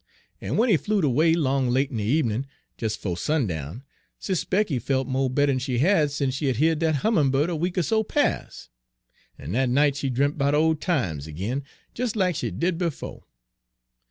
En w'en he flewed away 'long late in de ebenin', des 'fo' sundown, Sis' Becky felt mo' better'n she had sence she had heared dat hummin' bird a week er so pas'. En dat night she dremp 'bout ole times ag'in, des lack she did befo'.